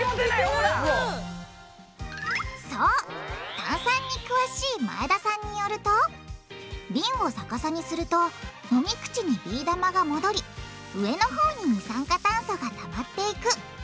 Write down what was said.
炭酸に詳しい前田さんによると瓶を逆さにすると飲み口にビー玉が戻り上のほうに二酸化炭素がたまっていく。